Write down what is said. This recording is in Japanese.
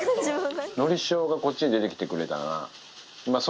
のりしおがこっちに出てきてくれたらな。